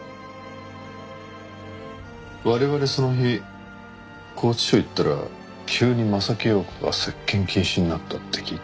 我々その日拘置所へ行ったら急に柾庸子が接見禁止になったって聞いて。